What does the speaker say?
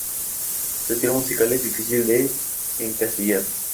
Su estilo musical es difícil de encasillar.